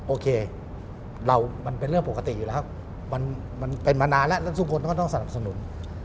โอเคเรามันเป็นเรื่องปกติอยู่แล้วมันเป็นมานานแล้วแล้วทุกคนก็ต้องสนับสนุน